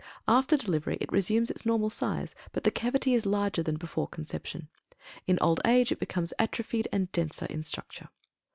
After delivery, it resumes its normal size, but the cavity is larger than before conception. In old age, it becomes atrophied and denser in structure.